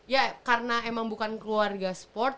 ya karena emang bukan keluarga sport